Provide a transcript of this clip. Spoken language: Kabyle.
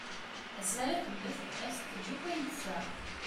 Asma ara temmet as-d-teǧǧ akk ayen tesɛa.